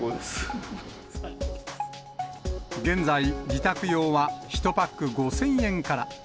現在、自宅用は１パック５０００円から。